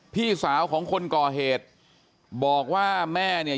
พี่สาวของคนก่อเหตุบอกว่าแม่เนี่ย